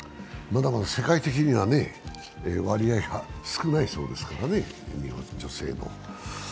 まだ世界的には割合が少ないそうですからね、女性も。